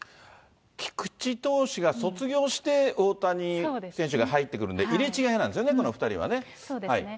菊池投手が卒業して、大谷選手が入ってくるんで、入れ違いなそうですね。